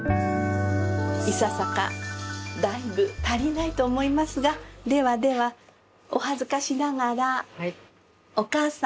いささかだいぶ足りないと思いますがではではお恥ずかしながら。